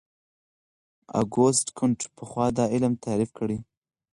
اګوست کُنت پخوا دا علم تعریف کړ.